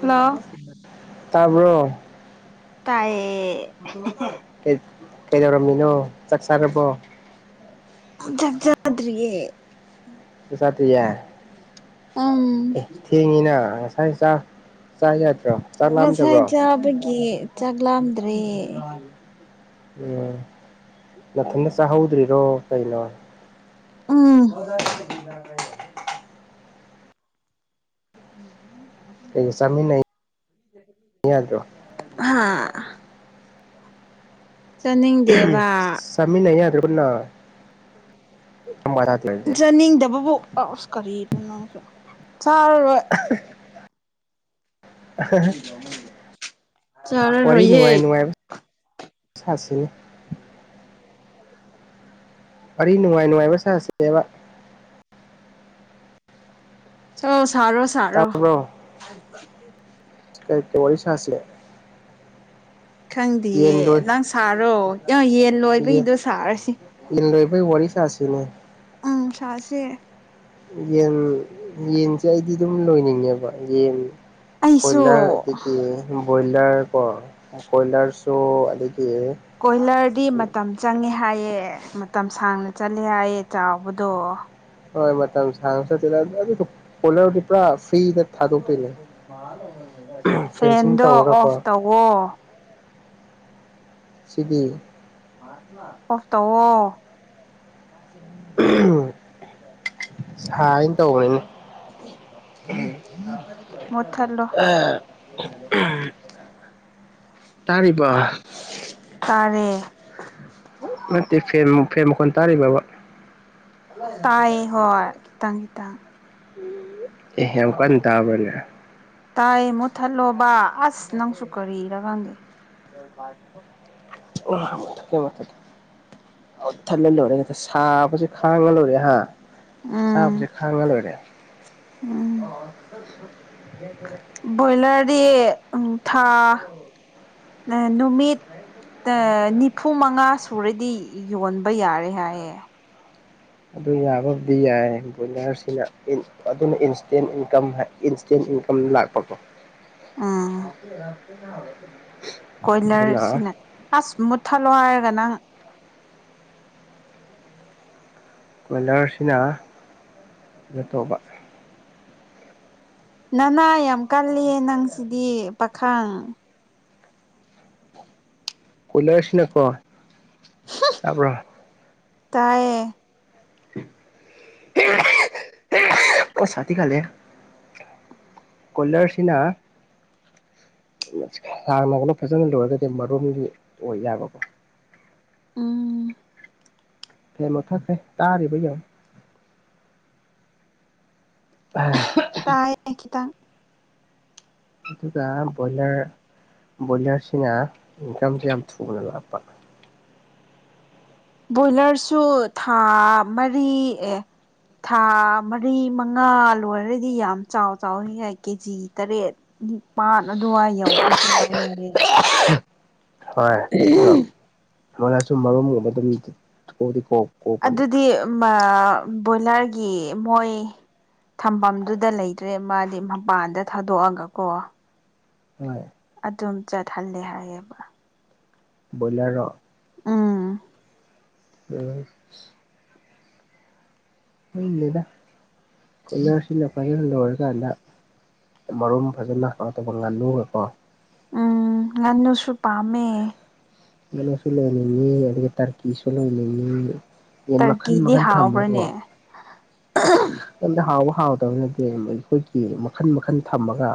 hello ꯇꯥꯕ꯭ꯔꯣ ꯇꯥꯏꯌꯦ ꯀꯩꯗꯧꯔꯝꯃꯤꯅꯣ ꯆꯥꯛ ꯆꯥꯔꯕꯣ ꯆꯖꯥꯗꯔꯤꯌꯦ ꯁꯇ ꯌꯥ ꯑꯪ ꯑꯦ ꯊꯦꯡꯉꯤꯅ ꯉꯁꯥꯏ ꯆꯥꯛ ꯆꯥ ꯌꯥꯗ꯭ꯔꯣ ꯆꯥꯛ ꯉꯁꯥꯏ ꯂꯥꯝꯗꯕ꯭ꯔꯣ ꯆꯥꯕꯒꯤ ꯆꯥꯛ ꯂꯥꯝꯗ꯭ꯔꯦ ꯎꯝ ꯃꯊꯟꯗ ꯆꯥꯍꯧꯗ꯭ꯔꯤꯔꯣ ꯀꯩꯅꯣ ꯎꯝ ꯏꯇ ꯃ [inaudible] ꯑꯩꯒꯤꯁꯃꯤꯅꯗ꯭ꯔꯣ [inaudible] ꯍꯥꯥ ꯆꯥꯅꯤꯡꯗꯦꯕ ꯃꯤꯅ ꯌꯥꯗ꯭ꯔꯦ ꯄꯨꯅꯝꯕ ꯍꯥ ꯂꯩ [inaudible] ꯆꯥꯅꯤꯡꯗꯕꯕꯨ ꯑꯁ ꯀꯔꯤꯅꯣ ꯅꯪꯁꯨ ꯆꯥꯔꯔꯣꯏ [unintelligible] ꯋꯥꯔꯤ ꯆꯥꯔꯔꯣꯏꯌꯦ ꯅꯨꯡꯉꯥꯏ ꯅꯨꯡꯉꯥꯏꯕ ꯁꯥꯁꯤꯅꯤ ꯋꯥꯔꯤ ꯅꯨꯡꯉꯥꯏ ꯅꯨꯡꯉꯥꯏꯕ ꯁꯥꯁꯦꯕ ꯑꯣ ꯁꯔꯣ ꯁꯔꯣ ꯇꯥꯕ꯭ꯔꯣ ꯀꯩ ꯀꯩ ꯋꯥꯔꯤ ꯁꯥꯁꯦ ꯈꯪꯗꯦꯌꯦ ꯅꯪ ꯁꯥꯔꯣ ꯌꯦꯟ ꯂꯣꯏꯕꯩꯗꯣ ꯁꯥꯔꯁꯤ ꯌꯦꯟ ꯂꯣꯏꯕꯩ ꯋꯥꯔꯤ ꯁꯥꯁꯤꯅꯦ ꯎꯝ ꯁꯥꯁꯦ ꯌꯦꯟ ꯌꯦꯟꯁꯦ ꯑꯩꯗꯤ ꯑꯗꯨꯝ ꯂꯣꯏꯅꯤꯡꯉꯦꯕ ꯌꯦꯟ ꯑꯩꯁꯨ ꯀꯣꯏꯂꯥꯔ ꯑꯗꯥꯒꯤ ꯕꯣꯏꯂꯔ ꯀꯣ ꯀꯦꯏꯂꯔꯁꯨ ꯑꯗꯒꯤ ꯀꯣꯏꯂꯔꯗꯤ ꯃꯇꯝ ꯆꯪꯉꯦ ꯍꯥꯏꯌꯦ ꯃꯇꯝ ꯁꯥꯡꯅ ꯆꯠꯂꯦ ꯍꯥꯏꯌꯦ ꯆꯥꯎꯕꯗꯣ ꯍꯣꯏ ꯃꯇꯝ ꯁꯥꯡꯅꯥ ꯆꯠꯇꯣꯏ ꯑꯗꯨ ꯑꯗꯨ ꯗꯣ ꯀꯦꯏꯂꯔꯗꯤ ꯄꯨꯔꯥ ꯐ꯭ꯔꯤꯗ ꯊꯥꯗꯣꯛꯇꯣꯏꯅꯦ ꯐꯦꯟꯁꯤꯡ ꯇꯧꯔꯒꯀꯣ ꯋꯥ ꯁꯤꯗꯤ ꯑꯣꯐ ꯇꯧꯑꯣ [unintelligible] ꯎ [unintelligible] ꯋꯥ [inaudible] ꯁꯥꯏꯌꯦꯟ ꯇꯧꯕꯅꯤꯅꯦ ꯃꯣꯊꯠꯂꯣ ꯇꯥꯔꯤꯕꯣ ꯇꯥꯔꯦ ꯅꯠꯇꯦ ꯐꯦꯟ ꯐꯦꯟ ꯃꯈꯣꯟ ꯇꯥꯔꯤꯕꯕ ꯇꯥꯏꯌꯦ ꯍꯣꯏ ꯈꯤꯇꯪ ꯈꯤꯇꯪ ꯑꯦ ꯌꯥꯝ ꯀꯟꯅ ꯇꯥꯕꯅꯦ ꯇꯥꯏ ꯃꯨꯠꯊꯠꯂꯣꯕ ꯑꯁ ꯅꯪꯁꯨ ꯀꯔꯤꯔ ꯈꯪꯒꯦ ꯃꯨꯊꯠꯀꯦ ꯃꯨꯊꯠꯀꯦ ꯃꯨꯊꯠꯂꯥꯂꯣꯏꯔꯦ ꯁꯥꯕꯁꯦ ꯈꯥꯡꯉ ꯂꯣꯏꯔꯦ ꯍꯥ ꯎꯝ ꯑꯁꯥꯕꯥꯁꯦ ꯈꯥꯡꯉ ꯂꯣꯏꯔꯦ ꯎꯝ ꯕꯣꯏꯂꯔꯗꯤ ꯎꯝ ꯊꯥ ꯅꯨꯃꯤꯠ ꯅꯤꯐꯨ ꯃꯉꯥ ꯁꯨꯔꯗꯤ ꯌꯣꯟꯕ ꯌꯥꯔꯦ ꯍꯥꯏꯌꯦ ꯑꯗꯨ ꯌꯥꯕꯕꯨꯗꯤ ꯌꯥꯏ ꯕꯣꯏꯂꯔꯁꯤꯅ ꯑꯗꯨꯅ ꯏꯟꯁꯇꯦꯟ ꯏꯟꯀꯝ ꯏꯟꯁꯇꯦꯟ ꯏꯟꯀꯝ ꯂꯥꯛꯄꯀꯣ ꯎꯝ ꯀꯣꯏꯂꯔ ꯑꯗꯨꯅ ꯁꯤꯅ ꯑꯁ ꯃꯨꯊꯠꯂꯣ ꯍꯥꯏꯔꯒ ꯅꯪ ꯎ [inaudible] ꯀꯣꯏꯂꯔꯁꯤꯅ ꯀꯩꯅꯣ ꯇꯧꯕ ꯅꯅꯥ ꯌꯥꯝ ꯀꯜꯂꯤ ꯅꯪꯁꯤꯗꯤ ꯄꯥꯈꯪ ꯀꯣꯏꯂꯔꯁꯤꯅ ꯀꯣ ꯇ꯭ꯔ ꯇꯌꯦ [unintelligible] ꯄꯁꯗꯤꯤ ꯈꯂꯦ ꯀꯜꯥꯔ ꯁꯤꯅ ꯁꯥꯡꯅꯒꯂ ꯐꯖꯅ ꯂꯣꯏꯔꯒꯗꯤ ꯃꯔꯨꯝꯗꯤ ꯑꯣꯏ ꯌꯥꯕꯀꯣ ꯎꯝ ꯐꯦꯃꯣ ꯊꯥꯁꯦ ꯇꯗꯥ ꯑꯔꯔꯤꯕꯩ ꯌꯥꯡ ꯑ ꯀꯥꯏꯈꯤꯇ ꯑꯗꯨꯒ ꯕꯣꯏꯂꯔ ꯕꯣꯏꯂꯔꯁꯤꯅ ꯏꯟꯀꯝꯁ ꯌꯥꯝ ꯊꯨꯅ ꯂꯞꯄ ꯕꯣꯏꯂꯔꯁꯨ ꯊꯥ ꯃꯔꯤ ꯑꯦ ꯊꯥ ꯃꯔꯤ ꯃꯉꯥ ꯂꯣꯏꯔꯗꯤ ꯌꯥꯝ ꯆꯥꯎ ꯆꯥꯎ ꯌꯥꯏ ꯀꯦꯖꯤ ꯇꯔꯦꯠ ꯄꯥꯠ ꯑꯗꯨꯋꯥꯏ ꯌꯧꯕꯁꯨ ꯌꯥꯎꯋꯦ ꯌꯥꯔꯦ ꯍꯣꯏ ꯑꯗꯣ ꯃꯣꯏꯅ ꯁꯨꯝ ꯃꯔꯨꯝꯒꯨꯝꯕ ꯑꯗꯨꯝꯣꯛꯗꯤ ꯀꯣꯛ ꯀꯣꯛꯄꯅꯦ ꯑꯗꯨꯗꯤ ꯕꯣꯏꯂꯔꯒꯤ ꯃꯣꯏ ꯊꯝꯐꯝꯗꯨꯗ ꯂꯩꯇ꯭ꯔꯦ ꯃꯥꯗꯤ ꯃꯄꯥꯟꯗ ꯊꯥꯗꯣꯛꯑꯒꯀꯣ ꯍꯣꯏ ꯑꯗꯨꯝ ꯆꯠꯍꯜꯂꯦ ꯍꯥꯏꯌꯦꯕ ꯕꯣꯏꯂꯔ ꯎꯝ ꯑ ꯎꯗ ꯏꯟꯅꯥꯁꯤ ꯏꯅ ꯄꯔꯗ ꯑꯣꯔꯒꯗ ꯃꯔꯨꯝ ꯐꯖꯅ ꯀꯩꯅꯣ ꯇꯧꯕ ꯉꯥꯜꯂꯨꯕꯀꯣ ꯎꯝ ꯉꯟꯅꯨꯁꯨ ꯄꯥꯝꯃꯦ ꯂ ꯆꯂꯅꯤꯅꯤ ꯑꯗꯒꯤ ꯇꯔꯀꯤꯁꯨꯂꯅꯤꯅꯤ ꯌꯦ ꯃꯈꯟ ꯇꯔꯀꯤꯗꯤ ꯃꯈꯟ ꯊꯝꯃꯀꯣ ꯍꯥꯎꯕ꯭ꯔꯅꯦ ꯀꯩꯝꯇ ꯍꯥꯎꯕ ꯍꯥꯎꯗꯕꯅꯗꯤ ꯑꯩꯈꯣꯏꯒꯤ ꯃꯈꯟ ꯃꯈꯟ ꯊꯝꯃꯒ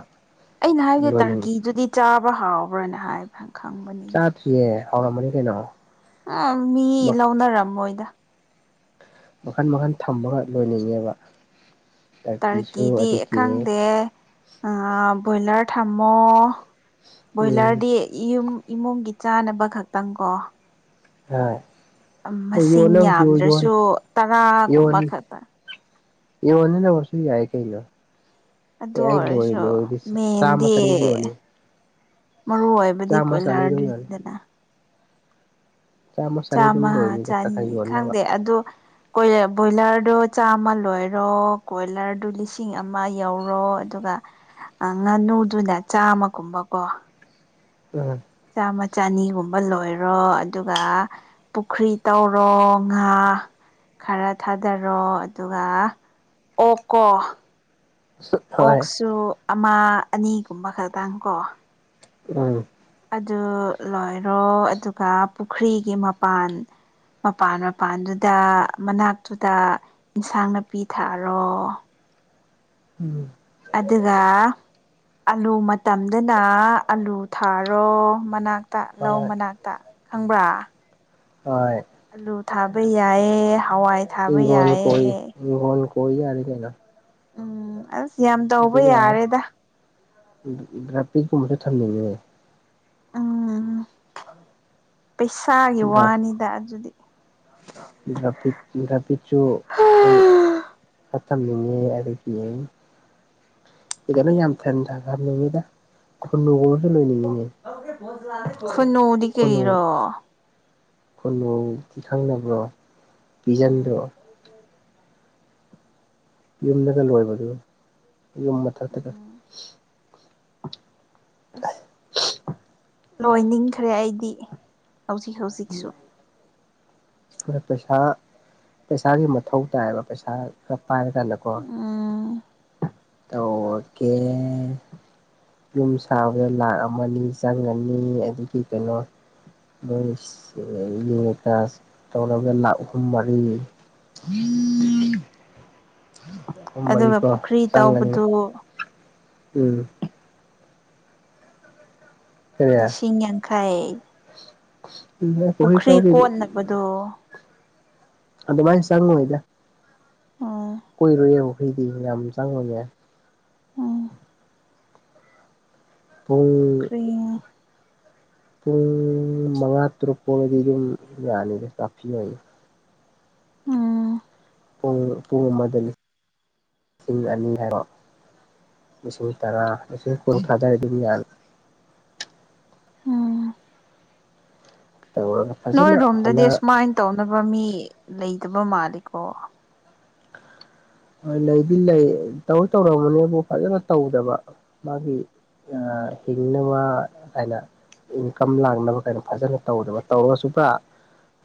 ꯑꯩꯅ ꯍꯥꯏꯕꯗꯤꯦ ꯂꯣꯏꯅꯤꯡꯉꯤ ꯇꯔꯀꯤꯗꯨꯗꯤ ꯆꯥꯕ ꯍꯥꯎꯕ꯭ꯔꯅ ꯍꯥꯏꯕ꯭ꯔ ꯈꯪꯕꯅꯤꯅ ꯀꯦ ꯍꯥꯎꯔ ꯃꯅꯤ ꯀꯅꯣ ꯎ ꯃꯤ ꯂꯧꯅꯔꯝꯃꯣꯏꯗ ꯃꯈꯟ ꯃꯈꯟ ꯊꯝꯃꯒ ꯂꯣꯏꯅꯤꯡꯉꯦꯕ ꯇꯔꯀꯤꯁꯨ ꯇꯔꯀꯤꯗꯤ ꯑꯗꯒꯤ ꯈꯪꯗꯦ ꯑ ꯭ꯔꯣꯌꯂꯔ ꯊꯥꯃꯣ ꯭ꯔꯣꯌꯂꯔ ꯎꯝ ꯗ ꯌꯨꯝ ꯏꯃꯨꯡꯒꯤ ꯆꯥꯅꯕ ꯈꯛꯇꯪ ꯀꯣ ꯍꯣꯏ ꯃꯁꯤꯡ ꯌꯣꯟꯅꯕꯁꯨ ꯌꯣꯟ ꯌꯥꯝꯗ꯭ꯔꯁꯨ ꯇꯔꯥꯒꯨꯝꯕ ꯈꯛꯇ ꯏ ꯋꯥꯅꯤꯅ ꯄꯔꯁꯨ ꯌꯥꯏ ꯀꯩꯅ ꯑꯗꯨ ꯑꯦ ꯑꯩ ꯂꯣꯏ ꯑꯣꯏꯔꯁꯨ ꯂꯣꯏꯗꯤ ꯆꯥꯝꯃ ꯃꯦꯟꯗꯤ ꯆꯅꯤ ꯌꯣꯅꯤ ꯃꯔꯨ ꯑꯣꯏꯕꯗꯤ ꯆꯅꯤ ꯑꯗꯨꯝ ꯌꯣꯟꯅꯤ ꯀꯣꯏꯂꯔꯗ꯭ꯔꯤꯗꯅ ꯆꯅꯤ ꯑꯗꯨꯝ ꯆꯥꯝꯃ ꯂꯣꯏꯅꯤꯗ ꯈꯔ ꯆꯅꯤ ꯈꯔ ꯌꯣꯟꯅꯕ ꯈꯪꯗꯦ ꯑꯗꯣ ꯕꯣꯏꯂꯔꯗꯨꯣ ꯆꯥꯝꯃ ꯂꯣꯏꯔꯣ ꯀꯣꯏꯂꯔꯗꯨ ꯂꯤꯁꯤꯡ ꯑꯃ ꯌꯧꯔꯣ ꯑꯗꯨꯒ ꯉꯥꯅꯨꯗꯨꯅꯦ ꯆꯥꯝꯃꯒꯨꯝꯕꯀꯣ ꯎꯝ ꯆꯥꯃ ꯆꯅꯤꯒꯨꯝꯕ ꯂꯣꯏꯔꯣ ꯑꯗꯨꯒ ꯄꯨꯈ꯭ꯔꯤ ꯇꯧꯔꯣ ꯉꯥ ꯈꯔ ꯊꯥꯗꯔꯣ ꯑꯗꯨꯒ ꯑꯣꯀꯣ ꯍꯣꯏ ꯑꯣꯛꯁꯨ ꯑꯃ ꯑꯅꯤꯒꯨꯝꯕ ꯈꯛꯇꯪ ꯀꯣ ꯑ ꯑꯗꯨ ꯂꯣꯏꯔꯣ ꯑꯗꯨꯒ ꯄꯨꯈ꯭ꯔꯤꯒꯤ ꯃꯄꯥꯟ ꯃꯄꯥꯟ ꯃꯄꯥꯟꯗꯨꯗ ꯃꯅꯥꯛꯇꯨꯗ ꯏꯟꯁꯥꯡ ꯅꯥꯄꯤ ꯊꯥꯔꯣ ꯎꯝ ꯑꯗꯨꯒ ꯑꯥꯂꯨ ꯃꯇꯝꯗꯅ ꯑꯥꯂꯨ ꯊꯥꯔꯣ ꯃꯅꯥꯛ ꯇ ꯂꯧ ꯍꯣꯏ ꯃꯅꯥꯛꯇ ꯈꯪꯕ꯭ꯔꯥ ꯍ ꯑꯂꯨ ꯊꯥꯕ ꯌꯥꯏꯌꯦ ꯍꯋꯥꯏ ꯊꯥꯕ ꯌꯥꯏꯌꯦ ꯐꯣꯟ ꯀ ꯌꯥꯔ ꯀꯥꯏꯩꯅ ꯎꯝ ꯑ ꯑꯗꯨꯒ ꯒ꯭ꯔꯥꯐꯤꯛꯀꯨꯝꯕꯗ ꯊꯝꯅꯤꯡꯉꯦ ꯎꯝ ꯄꯩꯁꯥꯒꯤ ꯋꯥꯅꯤꯗ ꯑꯗꯨꯗꯤ ꯒ꯭ꯔꯥꯐꯤꯛ ꯒ꯭ꯔꯥꯐꯤꯛꯁꯨꯁꯨ ꯑꯩꯈꯣꯏ ꯇꯝꯃꯤꯉꯤ ꯑꯗꯨꯗꯒꯤ ꯏꯗꯅ ꯌꯥꯝ ꯊꯦꯟ ꯊꯥꯅꯤꯡꯉꯤꯗ ꯈꯨꯟꯅꯨꯒꯨꯝꯕꯁꯨ ꯂꯣꯏꯅꯤꯡꯉꯤꯅꯦ ꯐꯅꯣꯗꯤ ꯀꯨ ꯀꯅꯨ ꯀꯈꯪꯅꯕꯕ꯭ꯔꯣ ꯕꯤꯖꯟꯗ꯭ꯔꯣ ꯎ ꯌꯨꯝꯗꯒ ꯂꯣꯏꯕꯗꯨ ꯌꯨꯝ ꯃꯊꯛꯇꯒ ꯎꯝ ꯑꯁ ꯂꯣꯏꯅꯤꯡꯈ꯭ꯔꯦ ꯑꯩꯗꯤ ꯍꯧꯖꯤꯛ ꯍꯧꯖꯤꯛꯁꯨ ꯇꯣꯔꯥ ꯄꯩꯁꯥ ꯄꯩꯁꯥꯒꯤ ꯃꯊꯧ ꯇꯥꯏꯌꯦꯕ ꯄꯩꯁꯥ ꯈꯔ ꯄꯥꯏꯔꯀꯥꯟꯗꯀꯣ ꯎꯝ ꯑꯣꯀꯦ ꯌꯨꯝ ꯁꯥꯕꯗ ꯂꯥꯛ ꯑꯃꯅꯤꯅꯤ ꯆꯪꯉꯅꯤ ꯑꯗꯨꯒꯤ ꯀꯩꯅꯣ ꯃꯣꯏ ꯌꯦꯡꯉꯀ ꯇꯧꯔꯒ ꯂꯥꯛ ꯑꯍꯨꯝ ꯃꯔꯤ ꯎꯝ ꯑꯗꯨꯒ ꯃꯔꯤꯀꯣ ꯄꯨꯈ꯭ꯔꯤ ꯆꯪꯉꯅꯤ ꯇꯥꯎꯕꯗꯨ ꯎꯝ ꯀꯔꯤ ꯂꯤꯁꯤꯡ ꯌꯥꯡꯈꯥꯏ ꯄ ꯇ ꯍꯧ ꯑꯗꯨꯣ ꯑꯗꯨꯗ ꯃꯥꯥꯏꯁ ꯆ ꯁꯪꯉꯣꯏꯗ ꯎꯝ ꯀꯣꯏꯔꯣꯏꯌꯦꯕ ꯐꯩꯗꯤ ꯌꯥꯝ ꯆꯪꯉꯨꯅꯦ ꯎꯝ ꯄꯨꯡ ꯄꯨꯈ꯭ꯔꯤ ꯄꯨꯡ ꯃꯉꯥ ꯇꯔꯨꯛ ꯐꯥꯎ ꯑꯣꯏꯅꯗꯤ ꯑꯗꯨꯝ ꯌꯥꯅꯤꯗꯦ ꯀꯥꯐ ꯑꯣꯏꯌꯦ ꯎꯝ ꯄ ꯄꯨꯡ ꯑꯃꯗꯁꯤꯡ ꯂꯤꯁꯤꯡ ꯑꯅꯤ ꯍꯥꯏꯕ ꯂꯤꯁꯤꯡ ꯇꯔꯥ ꯂꯤꯁꯤꯡ ꯀꯨꯟꯊ꯭ꯔꯥꯗꯔ ꯑꯗꯨꯝ ꯌꯥ ꯎꯝ ꯇꯃ ꯅꯣꯏꯔꯣꯝꯗꯗꯤ ꯑꯨꯃꯥꯏꯅ ꯇꯧꯅꯕ ꯃꯤ ꯂꯩꯗꯕ ꯃꯥꯜꯂꯤꯀꯣ ꯍꯣꯏ ꯂꯩꯗꯤ ꯂꯩ ꯇꯧ ꯇꯧꯔꯝꯕꯅꯦꯕꯨ ꯐꯖꯅ ꯇꯧꯗꯕ ꯃꯥꯒꯤ ꯑ ꯎꯝ ꯍꯅ ꯋꯥ ꯍꯥꯏꯅ ꯏꯟꯀꯝ ꯂꯥꯡꯅꯕ ꯀꯥꯏꯅ ꯐꯖꯅ ꯇꯧꯗꯕ ꯇꯧꯔꯒꯁꯨ ꯄꯨꯔꯥ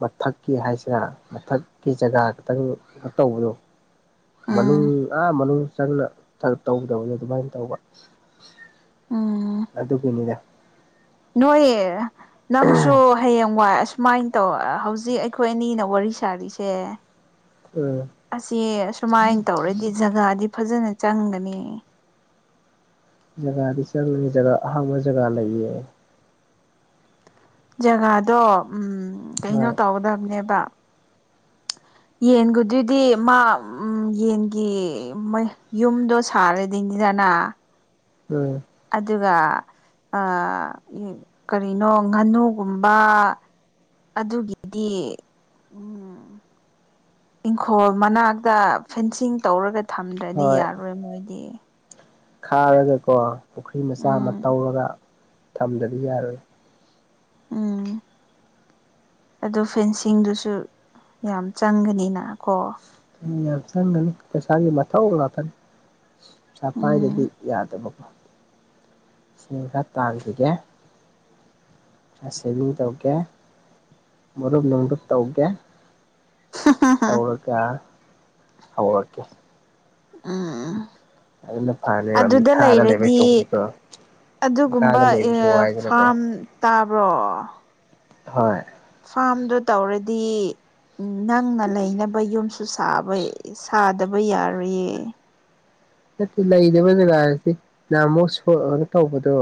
ꯃꯊꯛꯀꯤ ꯍꯥꯏꯁꯤꯔ ꯃꯊꯛꯀꯤ ꯖꯒꯥ ꯈꯇꯪ ꯀꯩꯅꯣ ꯇꯧꯕꯗꯣ ꯎꯝ ꯃꯅꯨꯡ ꯑꯥ ꯃꯅꯨꯡ ꯆꯪꯅ ꯇꯧꯗꯕꯅꯦꯣ ꯑꯗꯨꯃꯥꯏꯅ ꯇꯧꯕ ꯎꯝ ꯑꯗꯨꯒꯤꯅꯤꯗ ꯅꯣꯏꯣꯌꯦ ꯅꯪꯁꯨ ꯍꯌꯦꯡ ꯋꯥꯏ ꯑꯁꯨꯃꯥꯏꯅ ꯇꯧ ꯍꯧꯖꯤꯛ ꯑꯩꯈꯣꯏ ꯑꯅꯤꯅ ꯋꯥꯔꯤ ꯁꯥꯔꯤꯁꯦ ꯎꯝ ꯑꯁꯤ ꯁꯨꯃꯥꯏꯅ ꯇꯧꯔꯗꯤ ꯖꯒꯥꯗꯤ ꯐꯖꯅ ꯆꯪꯒꯅꯤ ꯖꯒꯥꯗꯤ ꯆꯪꯤ ꯖꯒꯥ ꯑꯍꯥꯡꯕ ꯖꯒꯥ ꯂꯩꯌꯦ ꯖꯒꯥꯗꯣ ꯎꯝ ꯀꯩꯅꯣ ꯍꯣꯏ ꯇꯧꯒꯗꯕꯅꯦꯕ ꯌꯦꯟꯒꯗꯨꯗꯤ ꯃꯥ ꯎ ꯌꯦꯟꯒꯤ ꯌꯨꯝꯗꯣ ꯁꯔꯗꯤꯗꯤꯗꯅꯅꯥ ꯎꯝ ꯑꯗꯨꯒ ꯀꯔꯤꯅꯣ ꯉꯥꯅꯨꯒꯨꯝꯕ ꯑꯗꯨꯒꯤꯗꯤ ꯎꯝ ꯏꯪꯈꯣꯜ ꯃꯅꯥꯛꯇ ꯐꯦꯟꯁꯤꯡ ꯇꯧꯔꯒ ꯊꯝꯗ꯭ꯔꯗꯤ ꯍꯣꯏ ꯌꯥꯔꯔꯣꯏ ꯃꯣꯏꯗꯤ ꯈꯥꯔꯒꯀꯣ ꯄꯨꯈ꯭ꯔꯤ ꯃꯆꯥ ꯑꯃ ꯎꯝ ꯇꯧꯔꯒ ꯊꯝꯗꯗꯤ ꯌꯥꯔꯣꯏ ꯎꯝ ꯑꯣ ꯐꯦꯟꯁꯤꯡꯗꯨꯁꯨ ꯌꯥꯝ ꯆꯪꯒꯅꯤꯅ ꯀꯣ ꯌꯥꯝ ꯆꯪꯒꯅꯤ ꯄꯩꯁꯥꯒꯤ ꯃꯊꯧ ꯉꯥꯛꯇꯅꯤ ꯄꯩꯁꯥ ꯄꯥꯏꯗꯗꯤ ꯎꯝ ꯌꯥꯗꯕꯀꯣ ꯁꯦꯟ ꯈꯔ ꯇꯥꯟꯈꯤꯒꯦ ꯁꯦꯚꯤꯡ ꯇꯧꯒꯦ ꯃꯔꯨꯞ ꯅꯨꯡꯂꯨꯞ ꯇꯧꯒꯦ ꯇꯧꯔꯒ ꯍꯧꯔꯛꯀꯦ ꯎꯝ ꯎꯝ ꯑꯗꯨꯅ ꯐꯅꯦꯕ ꯑꯗꯨꯗ ꯃꯤꯈꯥꯗ ꯂꯩꯕ ꯂꯩꯔꯗꯤ ꯁꯔꯨꯛꯄꯨꯗꯤꯀꯣ ꯑꯗꯨꯒꯨꯝꯕ ꯃꯤꯈꯥꯗ ꯂꯩꯕꯁꯨ ꯋꯥꯏꯗꯅꯀꯣ ꯐꯥꯔꯝ ꯇꯥꯕ꯭ꯔꯣ ꯍꯣꯏ ꯐꯥꯔꯝꯗꯣ ꯇꯧꯔꯗꯤ ꯅꯪꯅ ꯂꯩꯅꯕ ꯌꯨꯝꯁꯨ ꯁꯥꯕ ꯁꯥꯗꯕ ꯌꯥꯔꯣꯏꯌꯦ ꯅꯠꯇꯦ ꯂꯩꯕ ꯖꯒꯥꯁꯤꯗꯤ ꯌꯥꯝ ꯃꯣꯠ ꯁꯣꯛꯑꯒ ꯇꯧꯕꯗꯣ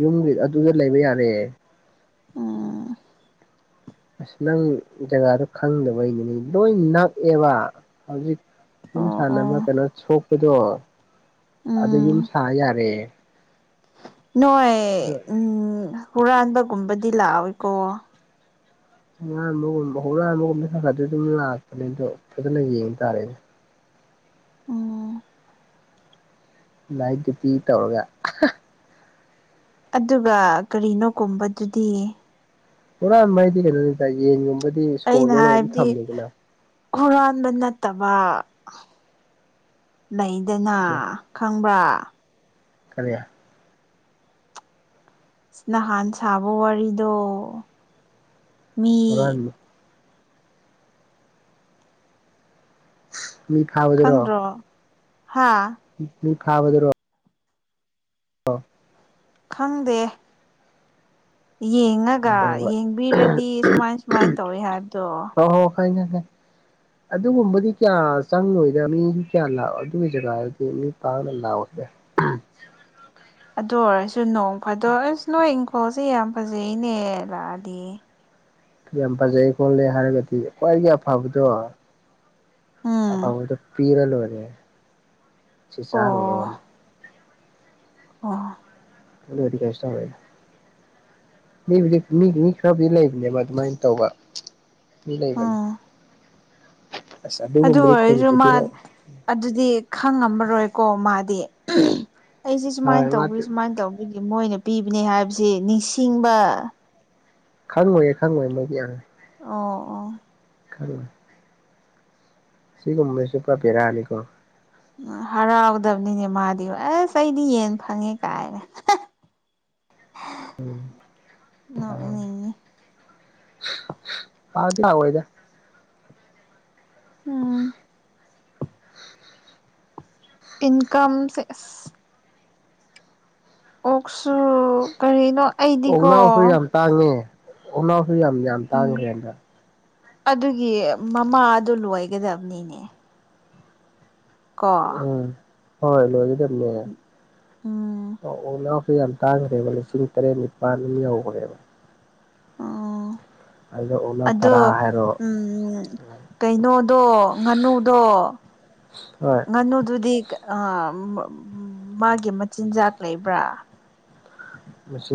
ꯌꯨꯝꯒꯤ ꯑꯗꯨꯗ ꯂꯩꯕ ꯌꯥꯔꯦ ꯎꯝ ꯑꯁ ꯅꯪ ꯖꯒꯥꯗꯨ ꯈꯪꯗꯕꯩꯅꯤꯅꯦ ꯂꯣꯏ ꯅꯛꯑꯦꯕ ꯍꯧꯖꯤꯛ ꯑꯣ ꯌꯨꯝ ꯑꯣ ꯁꯥꯟꯅꯕ ꯀꯩꯅꯣ ꯁꯣꯛꯄꯗꯣ ꯑꯗꯨꯗ ꯌꯨꯝ ꯎꯝ ꯁꯥ ꯌꯥꯔꯦ ꯅꯣꯏ ꯑꯗꯣ ꯎꯝ ꯍꯨꯔꯥꯟꯕꯒꯨꯝꯕꯗꯤ ꯂꯥꯛꯑꯣꯏꯀꯣ ꯍꯨꯔꯥꯟꯕꯒꯨꯝꯕ ꯍꯨꯔꯥꯟꯕꯒꯨꯝꯕꯗ ꯈꯔ ꯈꯔꯗꯤ ꯑꯗꯨꯝ ꯂꯥꯛꯄꯅꯦ ꯑꯗꯣ ꯐꯖꯅ ꯌꯦꯡ ꯇꯥꯔꯦꯅꯦ ꯎꯝ ꯂꯥꯏꯠ ꯗꯗꯨꯌꯇꯤ ꯇꯧꯔꯒ ꯑꯗꯨꯒ ꯀꯔꯤꯅꯣ ꯀꯨꯝꯕꯗꯨꯗꯤ ꯍꯨꯔꯥꯟꯕ ꯍꯥꯏꯗꯤ ꯀꯩꯅꯣꯅꯤꯗ ꯌꯦꯟꯒꯨꯝꯕꯗꯤ ꯁꯣ ꯑꯩꯅ ꯂꯣꯟ ꯂꯒ ꯑꯗꯨꯝ ꯍꯥꯏꯕꯗꯤ ꯊꯝꯃꯤꯗꯅ ꯍꯨꯔꯥꯟꯕ ꯅꯠꯇꯕ ꯂꯩꯗꯅ ꯁꯦ ꯈꯪꯕ꯭ꯔꯥ ꯀꯔꯤ ꯅꯍꯥꯟ ꯁꯥꯕ ꯋꯥꯔꯤꯗꯣ ꯃꯤ ꯍꯨꯔꯥꯟꯕ ꯃꯤ ꯈꯪꯗ꯭ꯔꯣ ꯍꯥ [unintelligible] ꯈꯥꯕꯗꯨꯔꯣ [unintelligible] ꯈꯪꯗꯦ ꯌꯦꯡꯉꯒ ꯍꯣꯏ ꯍꯣꯏ ꯌꯦꯡꯕꯤꯔꯗꯤ ꯁꯨꯃꯥꯏ ꯁꯨꯃꯥꯏꯅ ꯇꯧꯋꯤ ꯍꯥꯏꯕꯗꯣ ꯍꯣ ꯍꯣ ꯈꯪꯉꯦ [inaudible] ꯑꯗꯨꯒꯨꯝꯕꯗꯤ ꯀꯌꯥ ꯆꯪꯉꯣꯏꯗ ꯃꯤ ꯀꯌꯥ ꯂꯥꯛꯑꯣꯏ ꯑꯗꯨꯒꯤ ꯖꯒꯥꯗꯨꯗꯤ ꯃꯤ ꯄꯥꯡꯅ ꯂꯥꯛꯑꯣꯏꯗ ꯑꯗꯨ ꯑꯣꯏꯔꯁꯨ ꯅꯣꯡ ꯐꯥꯗꯣꯛ ꯑꯁ ꯅꯣꯏ ꯏꯪꯈꯣꯜꯁꯦ ꯌꯥꯝ ꯐꯖꯩꯅꯦ ꯂꯥꯛꯑꯗꯤ ꯌꯥꯝ ꯐꯖꯩ ꯈꯣꯜꯂꯦ ꯍꯥꯏꯔꯒꯗꯤ ꯈ꯭ꯋꯥꯏꯒꯤ ꯑꯐꯕꯗꯣ ꯎꯝ ꯑꯐꯕꯗꯣ ꯄꯤꯔ ꯂꯣꯏꯔꯦ ꯁꯤ ꯆꯥ ꯑꯣ ꯔꯨꯔꯣꯔꯅ ꯑꯣ ꯑꯗꯨꯗꯤ ꯀꯩꯁꯨ ꯇꯧꯔꯣꯏꯗ ꯃꯤꯕꯨꯗꯤ ꯃꯤꯕꯨꯗꯤ ꯈꯔꯕꯨꯗꯤ ꯂꯩꯕꯅꯦꯕ ꯑꯗꯨꯃꯥꯏꯅ ꯇꯧꯕ ꯃꯤ ꯂꯩꯕꯅꯦ ꯎꯝ ꯑꯁ ꯑꯗꯨ ꯑꯗꯨꯒꯨꯝꯕꯗꯤ ꯈꯣꯔꯤ ꯑꯣꯏꯔꯁꯨ [unintelligible] ꯃꯥ ꯑꯗꯨꯗꯤ ꯈꯪꯉꯝꯃꯔꯣꯏꯀꯣ ꯃꯥꯗꯤ ꯑꯩꯁꯦ ꯍꯣꯏ ꯁꯨꯃꯥꯏꯅ ꯃꯥ ꯇꯧꯕꯩ ꯁꯨꯃꯥꯏꯅ ꯇꯧ ꯑꯩꯒꯤ ꯃꯣꯏꯅ ꯄꯤꯕꯅꯦ ꯍꯥꯏꯕꯁꯤ ꯅꯤꯡꯁꯤꯡꯕ ꯈꯪꯉꯣꯏꯍꯦ ꯈꯪꯉꯣꯏꯦ ꯃꯣꯏꯗꯤ ꯌꯥꯝꯅ ꯑꯣ ꯑꯣꯥ ꯈꯪꯉꯣꯏ ꯁꯤꯒꯨꯝꯕꯁꯤꯁꯨ ꯄꯨꯔꯥ ꯚꯦꯔꯥꯅꯤꯀꯣ ꯎ ꯍꯔꯥꯎꯗꯕꯅꯤꯅꯦ ꯃꯥꯗꯤ ꯑꯁ ꯑꯩꯗꯤ ꯌꯦꯟ ꯐꯪꯉꯦ ꯀꯥꯏꯅ ꯎꯝ ꯑ ꯅꯣꯛꯅꯤꯡꯉꯤ ꯄꯥꯗꯤ ꯌꯥꯑꯣꯏꯗ ꯎꯝ ꯇꯤꯟ ꯀꯥꯡꯁꯦ ꯑꯍ ꯑꯣꯛꯁꯨ ꯀꯔꯤꯅꯣ ꯑꯩ ꯑꯣꯅꯥꯎꯁꯨ ꯌꯥꯝ ꯇꯥꯡꯉꯦ ꯎꯅꯥꯎꯁꯨ ꯌꯥꯝ ꯌꯥꯝ ꯎꯝ ꯇꯥꯡꯈ꯭ꯔꯦꯅ ꯑꯗꯨꯒꯤ ꯃꯃꯥꯗꯣ ꯂꯣꯏꯒꯗꯕꯅꯤꯅꯦ ꯀ ꯍ ꯂꯣꯏꯗꯃꯦ ꯎꯝ ꯑꯣ ꯁꯨ ꯌꯥꯝ ꯇꯥꯡꯈ꯭ꯔꯦꯕ ꯂꯤꯁꯤꯡ ꯇꯔꯦꯠ ꯅꯤꯄꯥꯜ ꯑꯃ ꯌꯧꯈ꯭ꯔꯦꯕ ꯎꯝ ꯑꯗꯨꯗ ꯑꯣꯛꯅꯥꯎ ꯑꯗꯣ ꯇꯔꯥ ꯍꯥꯏꯔꯣ ꯎꯝ ꯀꯩꯅꯣꯗꯣ ꯉꯥꯅꯨꯗꯣ ꯍꯣꯏ ꯉꯥꯅꯨꯗꯨꯗꯤ ꯃꯥꯒꯤ ꯃꯆꯤꯟꯖꯥꯛ ꯂꯩꯕ꯭ꯔꯥ ꯃꯁꯤ